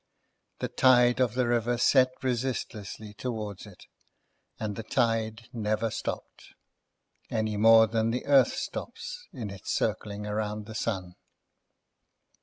The tide of the river set resistlessly towards it; and the tide never stopped, any more than the earth stops in its circling round the sun.